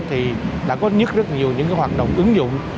thì đã có nhất rất nhiều những cái hoạt động ứng dụng